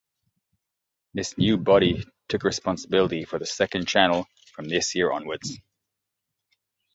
This new body took responsibility for the second channel from this year onwards.